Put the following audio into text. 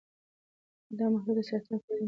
دا محلول د سرطان پر ځینو ډولونو اغېزناک و.